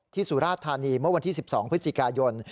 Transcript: สุราธานีเมื่อวันที่๑๒พฤศจิกายน